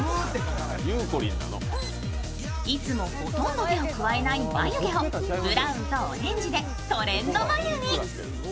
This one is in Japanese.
いつもほとんど手を加えない眉をブラウンとオレンジでトレンド眉に。